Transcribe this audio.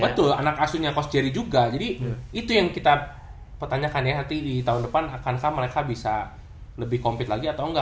betul anak asuhnya coast jerry juga jadi itu yang kita pertanyakan ya nanti di tahun depan akankah mereka bisa lebih compete lagi atau enggak